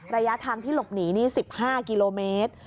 ระยะทางที่หลบหนีนี่๑๕กิโลเมตร